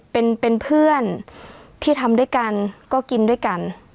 เป็นเพื่อนที่ทำด้วยกันก็กินด้วยกัน